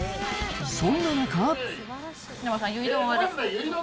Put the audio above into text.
そんな中。